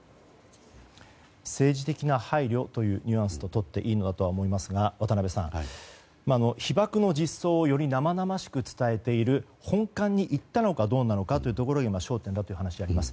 政治的な配慮というニュアンスととっていいのだとは思いますが渡辺さん、被爆の実相をより生々しく伝えている本館に行ったのかどうなのかというところが焦点だという話があります。